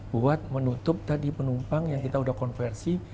buat menutup tadi penumpang yang kita sudah konversi